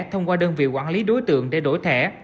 thông qua đơn vị quản lý đối tượng để đổi thẻ